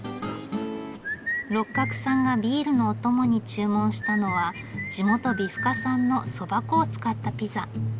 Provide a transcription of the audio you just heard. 六角さんがビールのお供に注文したのは地元美深産のそば粉を使ったピザ。